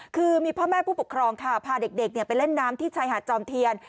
คือมีพ่อแม่ผู้ปกครองค่ะพาเด็กไปเล่นน้ำที่ชายหาดจอมเทียน